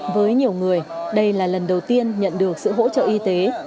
với nhiều người đây là lần đầu tiên nhận được sự hỗ trợ y tế